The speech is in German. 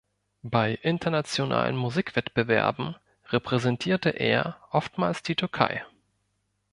Bei internationalen Musikwettbewerben repräsentierte er oftmals die Türkei.